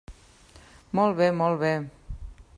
Molt bé, molt bé.